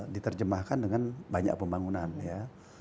diterjemahkan dengan banyak pembangunan ya